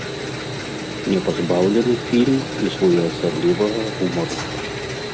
Не пазбаўлены фільм і своеасаблівага гумару.